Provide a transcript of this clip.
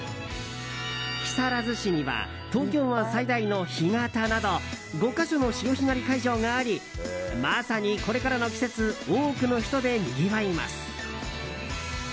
木更津市には東京湾最大の干潟など５か所の潮干狩り会場がありまさに、これからの季節多くの人でにぎわいます。